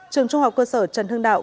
trường trung học cơ sở trần hương đạo